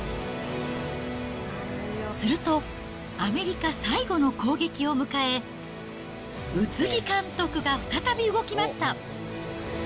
すると、アメリカ最後の攻撃を迎え、宇津木監督が再び動きました。